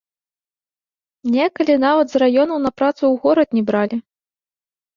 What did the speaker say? Некалі нават з раёнаў на працу ў горад не бралі.